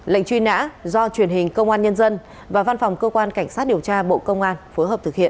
lệnh truy nã do truyền hình công an nhân dân và văn phòng cơ quan cảnh sát điều tra bộ công an phối hợp thực hiện